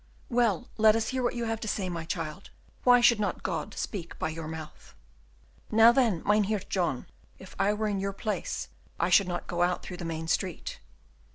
"Well, let us hear what you have to say, my child. Why should not God speak by your mouth?" "Now, then, Mynheer John, if I were in your place, I should not go out through the main street."